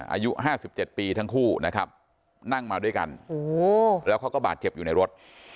อายุ๕๗ปีทั้งคู่นะครับนั่งมาด้วยกันแล้วเขาก็บาดเจ็บอยู่ในรถ